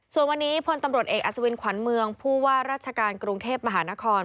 ส่วนวันนี้พลตำรวจเอกอัศวินขวัญเมืองผู้ว่าราชการกรุงเทพมหานคร